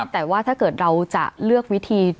แต่ว่าถ้าเกิดเราจะเลือกวิธี